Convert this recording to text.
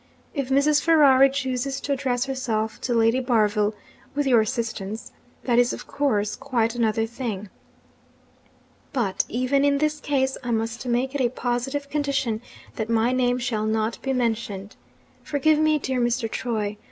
If Mrs. Ferrari chooses to address herself to Lady Barville (with your assistance), that is of course quite another thing. But, even in this case, I must make it a positive condition that my name shall not be mentioned. Forgive me, dear Mr. Troy!